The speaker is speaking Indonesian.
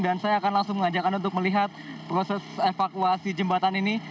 dan saya akan langsung mengajak anda untuk melihat proses evakuasi jembatan ini